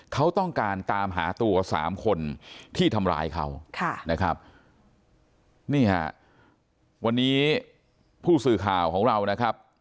เขาต้องการตามหาตัวสามคนที่ทำร้ายเขาค่ะนะครับนี่ฮะวันนี้ผู้สื่อข่าวของเรานะครับ